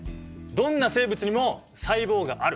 どんな生物にも細胞がある！